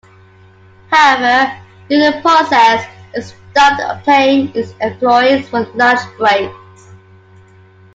However, during the process, it stopped paying its employees for lunch breaks.